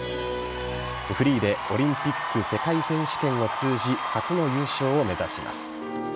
フリーでオリンピック、世界選手権を通じ初の優勝を目指します。